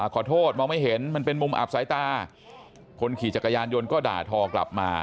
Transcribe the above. ขอโทษมองไม่เห็นมันเป็นมุมอับสายตาคนขี่จักรยานยนต์ก็ด่าทอกลับมา